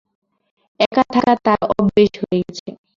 একা-থাকা তার অভ্যোস হয়ে গেছে।